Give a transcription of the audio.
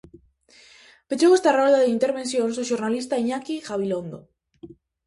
Pechou esta rolda de intervencións o xornalista Iñaki Gabilondo.